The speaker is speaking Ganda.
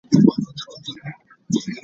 Webale kuwagira mukazi wange.